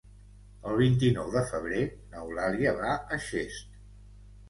El vint-i-nou de febrer n'Eulàlia va a Xest.